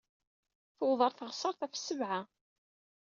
Tuweḍ ɣer tuɣsert ɣef ssebɛa.